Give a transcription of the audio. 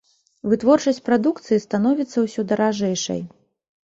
Вытворчасць прадукцыі становіцца ўсё даражэйшай.